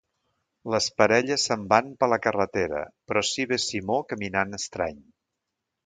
Les parelles se'n van per la carretera, però ací ve Simó caminant estrany.